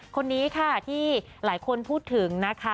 คนนี้ค่ะที่หลายคนพูดถึงนะคะ